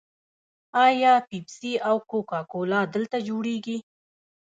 آیا پیپسي او کوکا کولا دلته جوړیږي؟